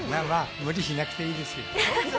無理しなくていいですよ。